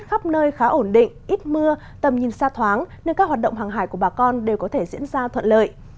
tầm nhìn xa thoáng nên các hoạt động hàng hải của bà con đều có thể diễn ra thuận lợi